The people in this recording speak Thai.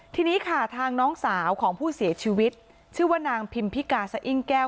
ทีนี้ค่ะทางน้องสาวของผู้เสียชีวิตชื่อว่านางพิมพิกาสะอิ้งแก้ว